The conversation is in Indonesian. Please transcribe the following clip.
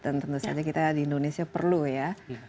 dan tentu saja kita di indonesia perlu ya